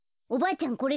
おばあちゃん